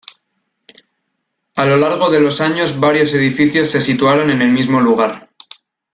A lo largo de los años varios edificios se situaron en el mismo lugar.